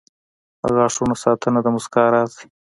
• د غاښونو ساتنه د مسکا راز دی.